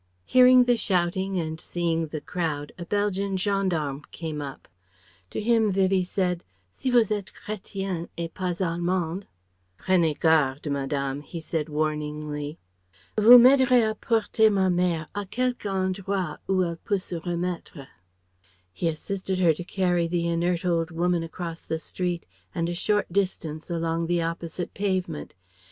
Hearing the shouting and seeing the crowd a Belgian gendarme came up. To him Vivie said, "Si vous êtes Chrétien et pas Allemand " "Prenez garde, Madame," he said warningly "Vous m'aiderez à porter ma mère à quelqu' endroit ou elle peut se remettre..." He assisted her to carry the inert old woman across the street and a short distance along the opposite pavement.